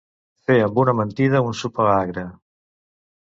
Fer amb una mentida un sopar agre.